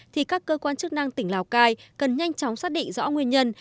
thì các cơ quan chức năng tỉnh lào cai cần nhanh chóng xác định rõ nguyên nhân